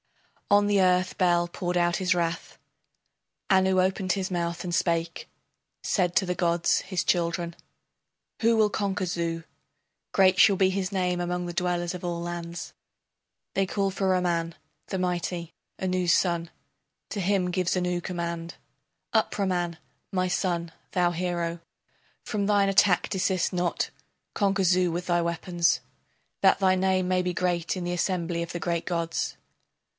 On the earth Bel poured out his wrath. Anu opened his mouth and spake, Said to the gods his children: Who will conquer Zu? Great shall be his name among the dwellers of all lands. They called for Ramman, the mighty, Anu's son. To him gives Anu command: Up, Ramman, my son, thou hero, From thine attack desist not, conquer Zu with thy weapons, That thy name may be great in the assembly of the great gods.